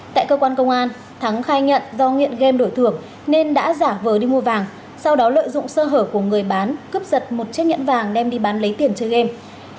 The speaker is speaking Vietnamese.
tại cơ quan công an thắng khai nhận do nghiện game đổi thưởng nên đã giả vờ đi mua vàng sau đó lợi dụng sơ hở của người bán cướp giật một chiếc nhẫn vàng đem đi bán lấy tiền chơi game